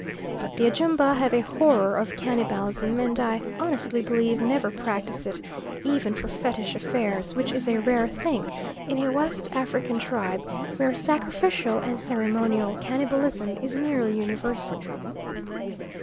But the Ajumba have a horror of cannibalism, and I honestly believe never practise it, even for fetish affairs, which is a rare thing in a West African tribe where sacrificial and ceremonial cannibalism is nearly universal.